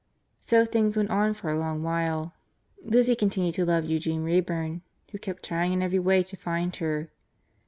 So things went on for a long while. Lizzie continued to love Eugene Wrayburn, who kept trying in every way to find her.